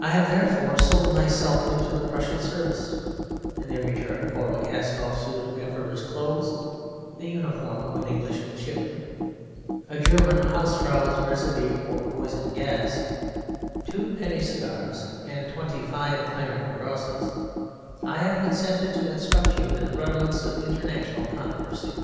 I have therefore sold myself into the Prussian service, and in return for a cast off suit of the Emperor's clothes (the uniform of an English midshipman), a German hausfrau's recipe for poison gas, two penny cigars, and twenty five Iron Crosses, I have consented to instruct you in the rudiments of international controversy.